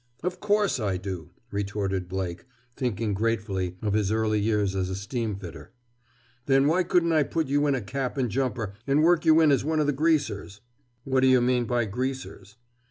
"Of course I do," retorted Blake, thinking gratefully of his early days as a steamfitter. "Then why couldn't I put you in a cap and jumper and work you in as one of the greasers?" "What do you mean by greasers?"